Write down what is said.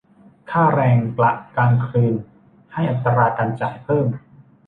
ค่าแรงกะกลางคืนให้อัตราการจ่ายเพิ่ม